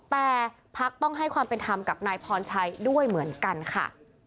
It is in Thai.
แต่พักต้องให้ความเป็นธรรมกับนายพรชัยด้วยเหมือนกันค่ะ